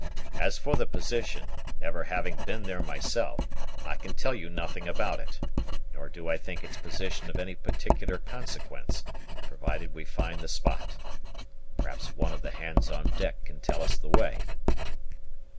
As for the position, never having been there myself, I can tell you nothing about it, nor do I think its position of any particular consequence, provided we find the spot. Perhaps one of the hands on deck can tell us the way."